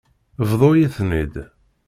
Bḍu-yi-ten-id.